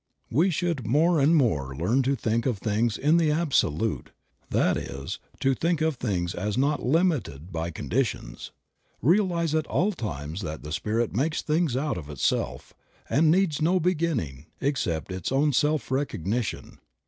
We should more and more learn to think of things in the absolute, that is, to think of things as not limited by conditions. Realize at all times that the Spirit makes things out of Itself, and needs no beginning except its own self recognition.